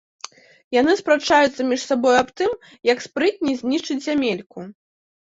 Яны спрачаюцца між сабою аб тым, як спрытней знішчыць зямельку.